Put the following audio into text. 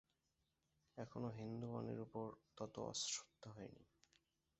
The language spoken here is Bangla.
এখনো হিঁদুয়ানির উপর তত অশ্রদ্ধা হয় নি।